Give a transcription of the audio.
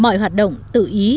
mọi hoạt động tự ý